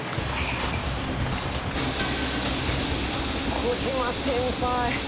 小島先輩！